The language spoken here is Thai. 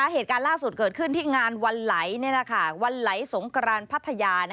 เหตุการณ์ล่าสุดเกิดขึ้นที่งานวันไหลวันไหลสงกรานพัทยา